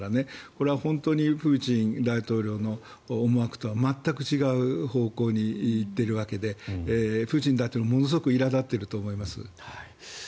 これは本当にプーチン大統領の思惑とは全く違う方向に行っているわけでプーチン大統領ものすごくいら立っていると思います。